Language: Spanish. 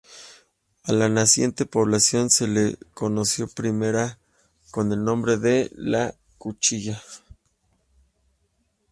A la naciente población se le conoció primero con el nombre de La Cuchilla.